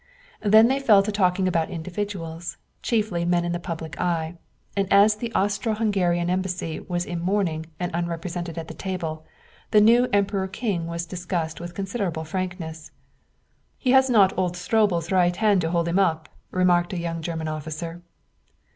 Then they fell to talking about individuals, chiefly men in the public eye; and as the Austro Hungarian embassy was in mourning and unrepresented at the table, the new Emperor king was discussed with considerable frankness. "He has not old Stroebel's right hand to hold him up," remarked a young German officer.